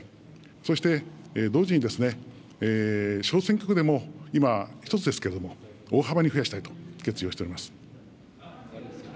そして同時に小選挙区でも、今、１つですけれども、大幅に増やしたいと決意をしております。